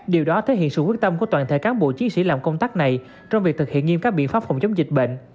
điều đó thể hiện sự quyết tâm của toàn thể cán bộ chiến sĩ làm công tác này trong việc thực hiện nghiêm các biện pháp phòng chống dịch bệnh